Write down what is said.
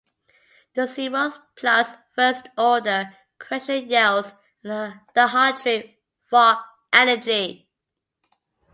The zeroth plus first-order correction yields the Hartree-Fock energy.